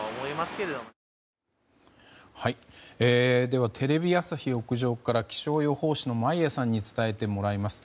では、テレビ朝日屋上から気象予報士の眞家さんに伝えてもらいます。